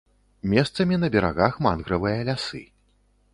Месцамі на берагах мангравыя лясы.